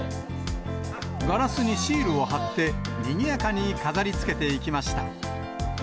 ガラスにシールを貼って、にぎやかに飾りつけていきました。